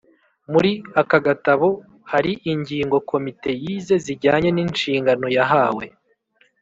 muri aka gatabo hari ingingo komite yize zijyanye n'inshingano yahawe